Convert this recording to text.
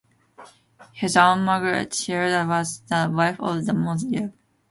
His aunt Margaret Sherard was the wife of The Most Rev.